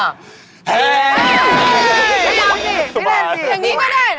เฮ่ยไม่เล่นสิไม่เล่นสิสุดยอดครับอย่างนี้ก็ได้เหรอ